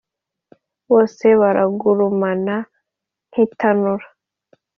Bose baragurumana nk’itanura,